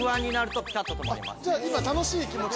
じゃあ今楽しい気持ち。